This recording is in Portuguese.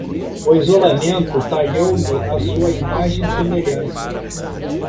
O isolamento talhou-me à sua imagem e semelhança.